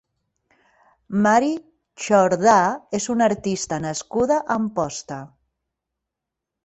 Mari Chordà és una artista nascuda a Amposta.